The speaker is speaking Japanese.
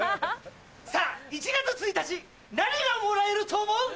さぁ１月１日何がもらえると思う？